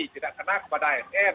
tidak kena kepada asn